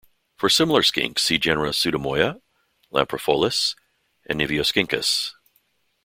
For similar skinks see genera "Pseudemoia", "Lampropholis", and "Niveoscincus".